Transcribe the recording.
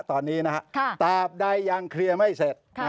ตอนนี้นะฮะตราบใดยังเคลียร์ไม่เสร็จ